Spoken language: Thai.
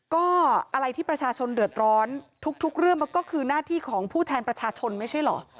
ก็อะไรที่ประชาชนเดือดร้อนทุกเรื่องมันก็คือหน้าที่ของผู้แทนประชาชนไม่ใช่เหรอ